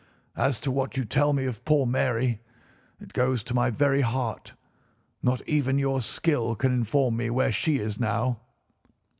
As to what you tell me of poor Mary, it goes to my very heart. Not even your skill can inform me where she is now."